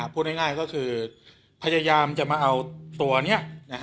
พูดง่ายก็คือพยายามจะมาเอาตัวนี้